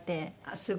すごい！